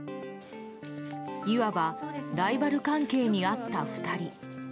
いわばライバル関係にあった２人。